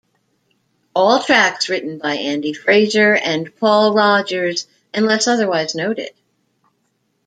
All tracks written by Andy Fraser and Paul Rodgers unless otherwise noted.